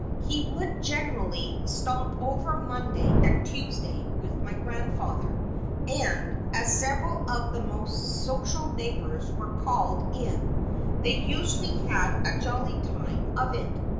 He would generally stop over Monday and Tuesday with my grandfather, and, as several of the most social neighbors were called in, they usually had a jolly time of it.